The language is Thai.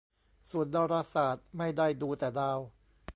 ส่วนดาราศาสตร์ไม่ได้ดูแต่ดาว